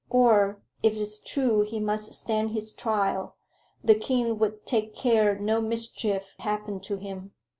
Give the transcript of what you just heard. Or if it's true he must stand his trial, the king 'ud take care no mischief happened to him.